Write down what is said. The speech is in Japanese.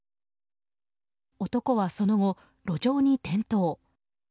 男はその後、路上に転倒。